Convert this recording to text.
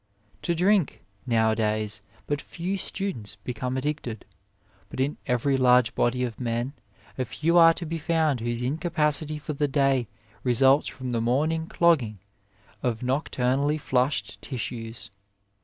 To drink, nowadays, but few students become addicted, but in every large body of men a few are 40 OF LIFE to be found whose incapacity for the day results from the morning clogging of nocturnally flushed tissues.